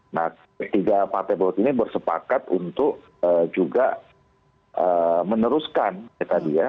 nah tiga partai politik ini bersepakat untuk juga meneruskan ya tadi ya